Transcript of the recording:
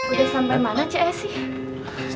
udah sampe mana cik esy